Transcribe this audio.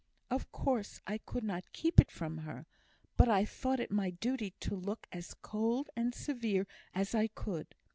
Of course, I could not keep it from her; but I thought it my duty to look as cold and severe as I could.